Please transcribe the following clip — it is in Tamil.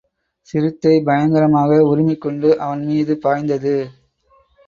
சிறுத்தை பயங்கரமாக உறுமிக் கொண்டு அவன் மீது பாய்ந்தது.